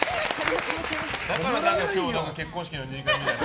だから今日結婚式の２次会みたいな？